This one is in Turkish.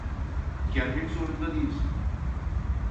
Gelmek zorunda değilsin.